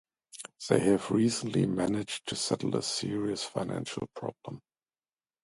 They have recently managed to settle a serious financial problem.